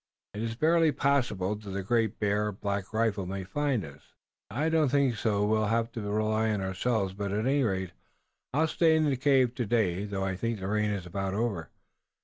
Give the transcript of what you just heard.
It is barely possible that the Great Bear or Black Rifle may find us." "I don't think so. We'll have to rely on ourselves. But at any rate, I'll stay in the cave today, though I think the rain is about over.